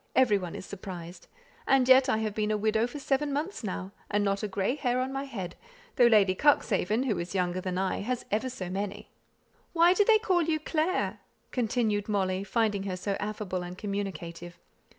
Every one is surprised. And yet I have been a widow for seven months now: and not a grey hair on my head, though Lady Cuxhaven, who is younger than I, has ever so many." "Why do they call you 'Clare?'" continued Molly, finding her so affable and communicative.